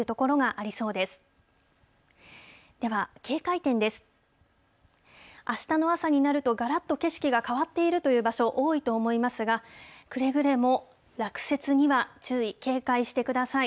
あしたの朝になると、がらっと景色が変わっているという場所多いと思いますが、くれぐれも落雪には注意、警戒してください。